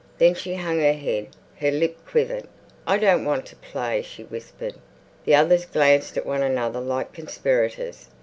Then she hung her head; her lip quivered. "I don't want to play," she whispered. The others glanced at one another like conspirators.